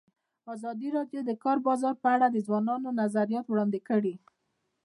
ازادي راډیو د د کار بازار په اړه د ځوانانو نظریات وړاندې کړي.